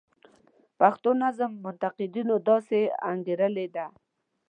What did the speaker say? پښتو نظم منتقدینو داسې انګیرلې ده.